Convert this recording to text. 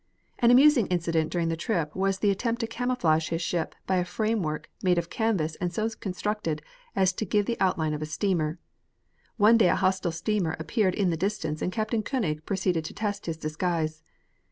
An amusing incident during the trip was the attempt to camouflage his ship by a frame work, made of canvas and so constructed as to give the outline of a steamer. One day a hostile steamer appeared in the distance and Captain Koenig proceeded to test his disguise.